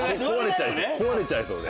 壊れちゃいそうで。